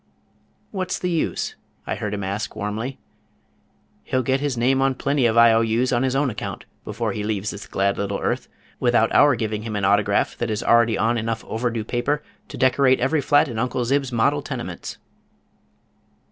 "What's the use?" I heard him ask, warmly. "He'll get his name on plenty of I. O. U.'s on his own account before he leaves this glad little earth, without our giving him an autograph that is already on enough over due paper to decorate every flat in Uncle Zib's model tenements."